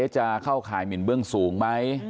จะเข้าข่ายหมินเบื้องสูงไหม